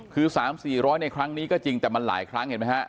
คือสามสี่ร้อยในครั้งนี้ก็จริงแต่มันหลายครั้งเห็นมั้ยฮะ